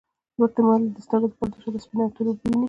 ورته ومي ویل د سترګو د پردو شاته سپیني او توری اوبه وینې ؟